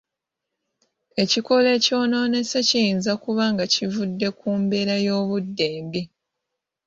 Ekikoola ekyonoonese kiyinza kuba nga kivudde ku mbeera y'obudde embi.